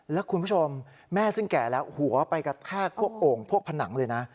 แล้วคุณผู้ชมแม่ซึ่งแก่แล้วหัวไปกระแทกพวกโอ่งพวกผนังเลยนะ